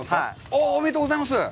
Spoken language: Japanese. おめでとうございます。